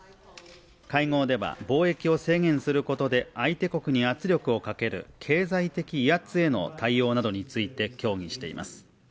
会合では貿易を制限することで相手国に圧力をかける経済的威圧への対応をなどについて協議しています。